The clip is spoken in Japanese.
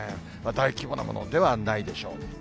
大規模なものではないでしょう。